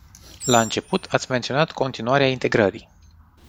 La început, ați menționat continuarea integrării.